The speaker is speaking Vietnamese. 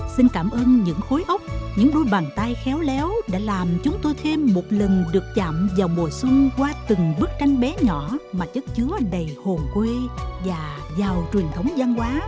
xin cảm ơn những khối ốc những đôi bàn tay khéo léo đã làm chúng tôi thêm một lần được chạm vào mùa xuân qua từng bức tranh bé nhỏ mà chất chứa đầy hồn quê và giàu truyền thống gian hóa